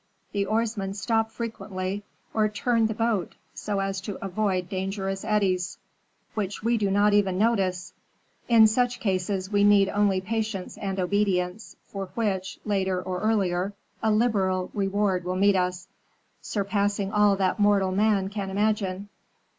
The oarsmen stop frequently, or turn the boat so as to avoid dangerous eddies which we do not even notice. In such cases we need only patience and obedience, for which, later or earlier, a liberal reward will meet us, surpassing all that mortal man can imagine."